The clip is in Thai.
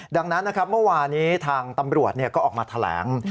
ดังนั้นนะครับเมื่อวานี้ทางตำรวจก็ออกมาแถลง